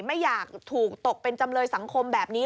ไม่อยากถูกตกเป็นจำเลยสังคมแบบนี้